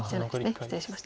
失礼しました。